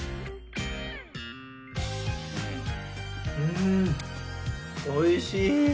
んおいしい。